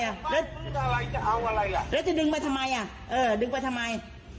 เอาไปทำอะไรจะเอาอะไรแล้วจะดึงไปทำไมเออดึงไปทำไม